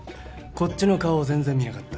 こっちの顔を全然見なかった。